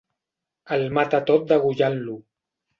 El mata tot degollant-lo.